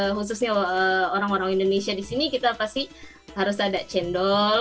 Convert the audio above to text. khususnya orang orang indonesia di sini kita pasti harus ada cendol